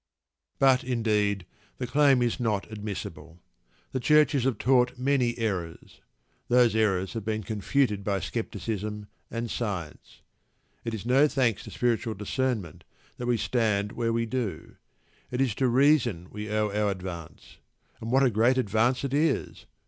But, indeed, the claim is not admissible. The Churches have taught many errors. Those errors have been confuted by scepticism and science. It is no thanks to spiritual discernment that we stand where we do. It is to reason we owe our advance; and what a great advance it is!